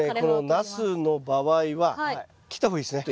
ナスの場合は切った方がいいですね